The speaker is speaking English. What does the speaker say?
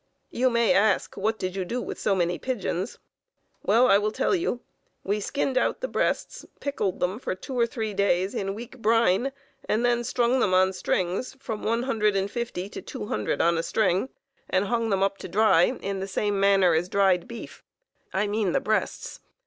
You may ask, What did you do with so many pigeons? Well, I will tell you. We skinned out the breasts, pickled them for two or three days in weak brine, and then strung them on strings, from one hundred and fifty to two hundred on a string, and hung them up to dry in the same manner as dried beef (I mean the breasts).